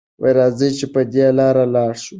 راځئ چې په دې لاره لاړ شو.